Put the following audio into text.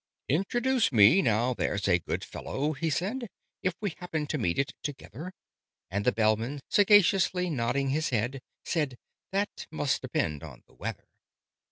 "Introduce me, now there's a good fellow," he said, "If we happen to meet it together!" And the Bellman, sagaciously nodding his head, Said "That must depend on the weather."